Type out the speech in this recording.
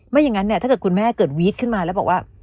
อย่างนั้นเนี่ยถ้าเกิดคุณแม่เกิดวีดขึ้นมาแล้วบอกว่า